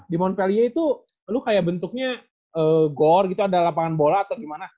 di monpelia itu lo kayak bentuknya gore gitu ada lapangan bola atau gimana